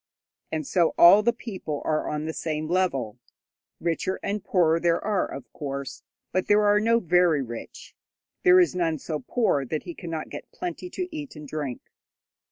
And so all the people are on the same level. Richer and poorer there are, of course, but there are no very rich; there is none so poor that he cannot get plenty to eat and drink.